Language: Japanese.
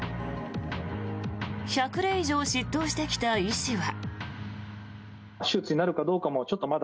１００例以上執刀してきた医師は。